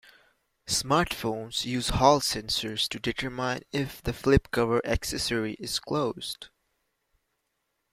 Smartphones use hall sensors to determine if the Flip Cover accessory is closed.